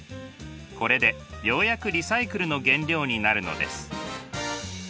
これでようやくリサイクルの原料になるのです。